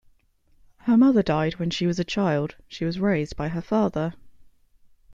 Her mother died when she was a child; she was raised by her father.